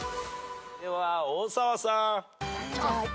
では大沢さん。